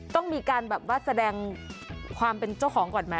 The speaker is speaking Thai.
ต้องมีการแบบว่าแสดงความเป็นเจ้าของก่อนไหม